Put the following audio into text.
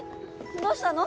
どうしたの？